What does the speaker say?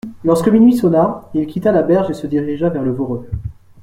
Lorsque minuit sonna, il quitta la berge et se dirigea vers le Voreux.